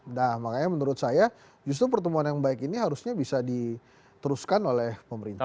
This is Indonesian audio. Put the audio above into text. nah makanya menurut saya justru pertemuan yang baik ini harusnya bisa diteruskan oleh pemerintah